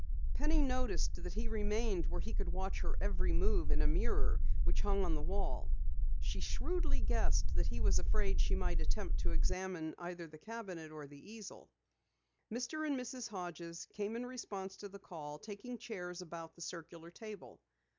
Penny noticed that he remained where he could watch her every move in a mirror which hung on the wall. She shrewdly guessed that he was afraid she might attempt to examine either the cabinet or the easel. Mr. and Mrs. Hodges came in response to the call, taking chairs about the circular table.